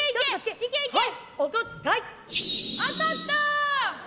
当たった。